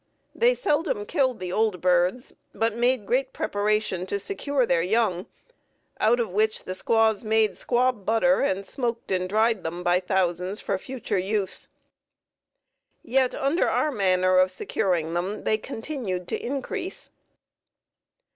They seldom killed the old birds, but made great preparation to secure their young, out of which the squaws made squab butter and smoked and dried them by thousands for future use. Yet, under our manner of securing them, they continued to increase.